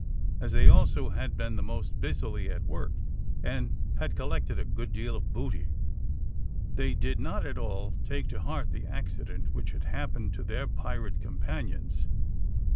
As they also had been the most busily at work, and had collected a good deal of booty, they did not at all take to heart the accident which had happened to their pirate companions.